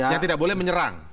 yang tidak boleh menyerang